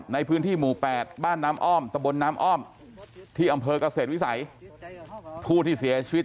ในพื้นที่หมู่๘บ้านน้ำอ้อมตะบนน้ำอ้อมที่อำเภอกเกษตรวิสัยผู้ที่เสียชีวิต